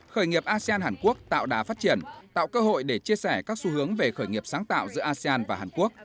khởi nghiệp asean hàn quốc tạo đá phát triển tạo cơ hội để chia sẻ các xu hướng về khởi nghiệp sáng tạo giữa asean và hàn quốc